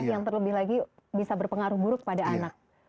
yang terlebih lagi bisa berpengaruh buruk pada anak